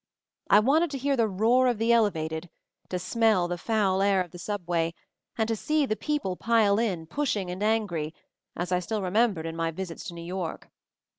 I wanted to hear the roar of the elevated— to smell the foul air of the subway and see the people pile in, pushing and angry, as I still remembered in my visits to New York.